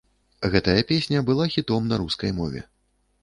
Гэтая песня была хітом на рускай мове.